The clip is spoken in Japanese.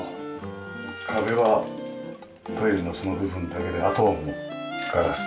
壁はトイレのその部分だけであとはもうガラスで開放的に。